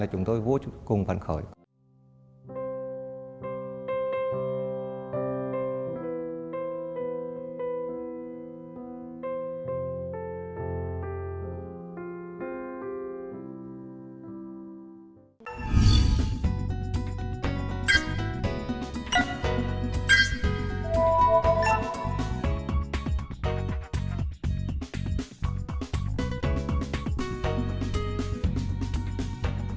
là chúng tôi vô cùng phân khởi